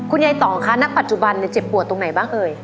ต่องคะณปัจจุบันเจ็บปวดตรงไหนบ้างเอ่ย